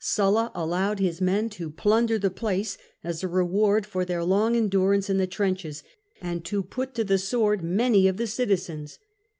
Sulla allowed his men to plunder the place as a reward for their long endurance in the trenches, and to put to the sword many of the citizens.